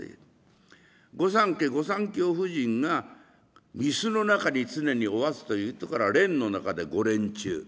御三家御三卿夫人が御簾の中に常におわすということから廉の中で御廉中。